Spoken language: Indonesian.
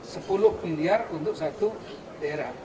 sepuluh miliar untuk satu daerah